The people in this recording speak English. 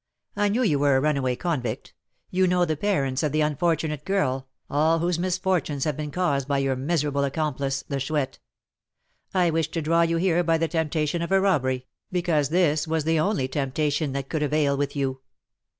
I knew you were a runaway convict, you know the parents of the unfortunate girl, all whose misfortunes have been caused by your miserable accomplice, the Chouette. I wished to draw you here by the temptation of a robbery, because this was the only temptation that could avail with you.